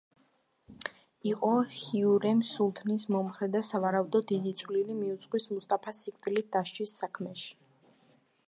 იყო ჰიურემ სულთნის მომხრე და სავარაუდოდ დიდი წვლილი მიუძღვის მუსტაფას სიკვდილით დასჯის საქმეში.